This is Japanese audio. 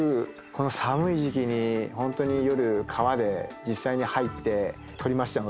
寒い時期にホントに夜川で実際に入って撮りましたので。